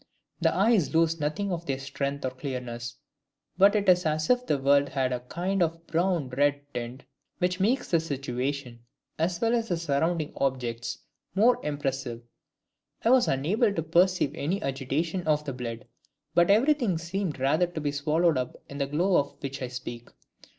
The eyes lose nothing of their strength or clearness; but it is as if the world had a kind of brown red tint, which makes the situation, as well as the surrounding objects, more impressive. I was unable to perceive any agitation of the blood; but everything seemed rather to be swallowed up in the glow of which I speak.